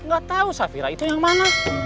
gak tahu safira itu yang mana